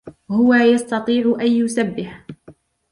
هو يستطيع أن يسبح.